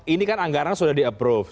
ini kan anggaran sudah di approve